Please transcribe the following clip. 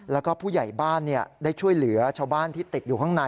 แล้วก็ผู้ใหญ่บ้านได้ช่วยเหลือชาวบ้านที่ติดอยู่ข้างใน